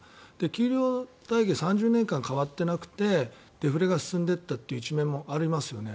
給料体系が３０年間変わっていなくてデフレが進んでいったという一面もありますよね。